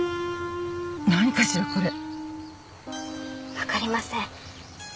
分かりません。